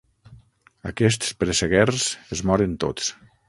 Aquests presseguers es moren tots.